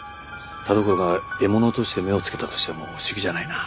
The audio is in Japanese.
田所が獲物として目をつけたとしても不思議じゃないな。